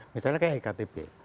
misalnya kayak iktp